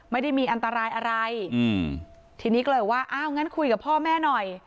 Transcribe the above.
ไม่ได้มีอันตรายอะไรอืมทีนี้ก็เลยว่าอ้าวงั้นคุยกับพ่อแม่หน่อย